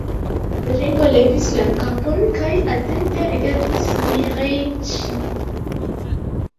Ringo levis la kapon kaj atente rigardis Miĥeiĉ'n.